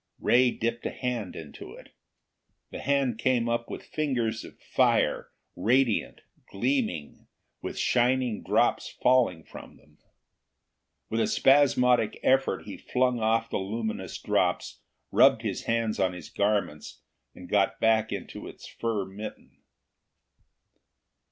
Ray dipped a hand into it. The hand came up with fingers of fire, radiant, gleaming, with shining drops falling from them. With a spasmodic effort, he flung off the luminous drops, rubbed his hand on his garments, and got it back into its fur mitten.